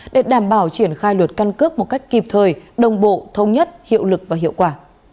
để đảm bảo triển khai luật căn cước một cách kịp thời đồng bộ thông nhất hiệu lực và hiệu quả